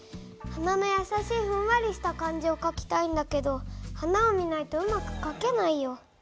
花のやさしいふんわりした感じをかきたいんだけど花を見ないとうまくかけないよ。